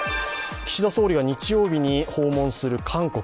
岸田総理が日曜日に訪問する韓国。